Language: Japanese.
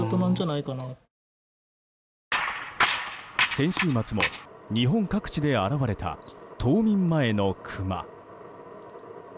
先週末も日本各地で現れた冬眠前のクマ。